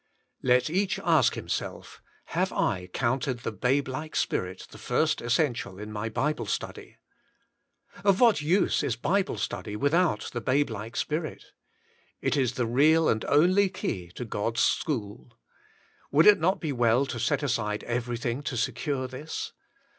Let each ask himself: Have I 8o The Inner Chamber counted the babe like spirit the first essential in my Bible study? Of what use is Bible study without the babe like spirit? It is the real and only key to God's school. Would it not be well to set aside everything to secure this?